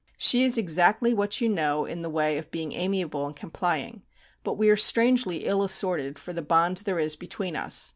She is exactly what you know in the way of being amiable and complying; but we are strangely ill assorted for the bond there is between us....